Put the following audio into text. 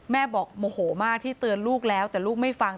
แม่บอกโมโหมากที่เตือนลูกแล้วแต่ลูกไม่ฟัง